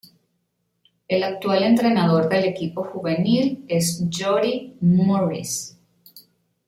El actual entrenador del equipo juvenil es Jody Morris.